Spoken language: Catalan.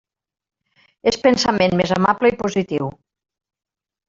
És pensament més amable i positiu.